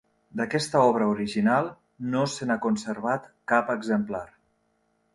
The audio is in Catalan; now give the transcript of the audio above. D'aquesta obra original, no se n'ha conservat cap exemplar.